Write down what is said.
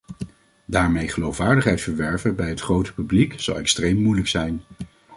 Daarmee geloofwaardigheid verwerven bij het grote publiek zal extreem moeilijk zijn.